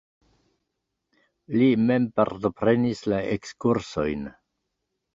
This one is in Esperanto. Li mem partoprenis la ekskursojn.